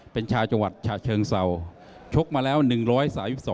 เป็นชายสุดท้าย